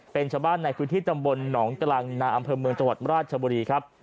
เป็นชาวบ้านในพื้นที่ตำบลหนองกลางนาอำเภอเมืองจังหวัดราชบุรีครับ